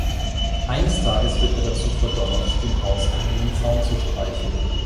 Eines Tages wird er dazu verdonnert, den hauseigenen Zaun zu streichen.